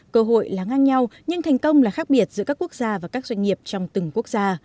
cơ hội là ngang nhau nhưng thành công là khác biệt giữa các quốc gia và các doanh nghiệp trong từng quốc gia